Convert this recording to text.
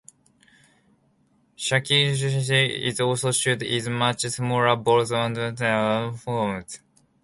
Shanklish is also sold in much smaller balls or unformed.